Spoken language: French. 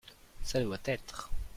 Ça doit être.